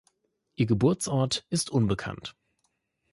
Ihr Geburtsort ist unbekannt.